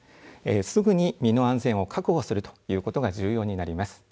すぐに身の安全を確保するということが重要になります。